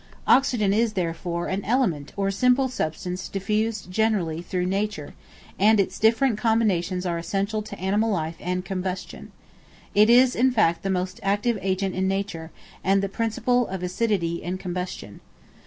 Oxygen is, therefore, an element or simple substance diffused generally through nature, and its different combinations are essential to animal life and combustion. It is, in fact, the most active agent in nature, and the principle of acidity and combustion.